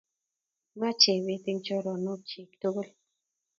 Nwach Chebet eng choronokchik tugul